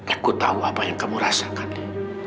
aku tahu apa yang kamu rasakan